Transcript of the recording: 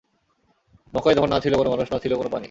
মক্কায় তখন না ছিল কোন মানুষ, না ছিল কোন পানি।